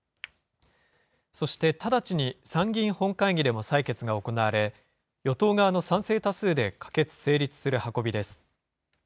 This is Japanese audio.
そして直ちに参議院本会議でも採決が行われ、与党側の賛成多数で可決・成立する運びです。